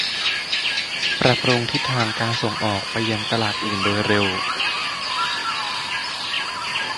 ปรับปรุงทิศทางการส่งออกไปยังตลาดอื่นโดยเร็ว